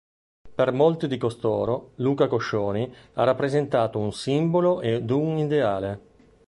Per molti di costoro, Luca Coscioni ha rappresentato un simbolo ed un ideale.